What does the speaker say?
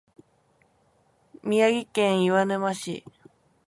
宮城県岩沼市